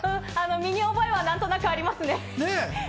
身に覚えは何となくあります。